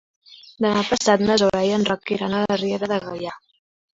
Demà passat na Zoè i en Roc iran a la Riera de Gaià.